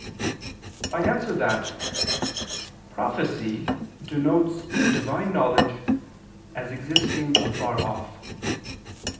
I answer that, Prophecy denotes Divine knowledge as existing afar off.